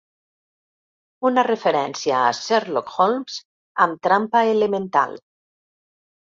Una referència a Sherlock Holmes amb trampa “elemental”.